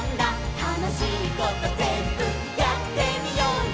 「たのしいことぜんぶやってみようよ」